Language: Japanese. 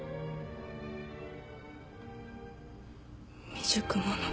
未熟者。